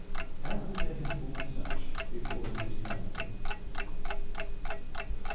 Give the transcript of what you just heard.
How could they have borne such before He had come?